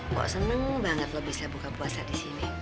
pok seneng banget lo bisa buka puasa disini